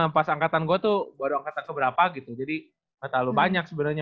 pas angkatan gue tuh baru angkatan ke berapa gitu jadi gak terlalu banyak sebenernya